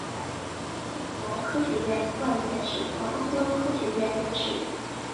中国科学院外籍院士和欧洲科学院院士。